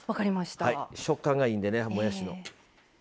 食感がいいんでね、もやしの。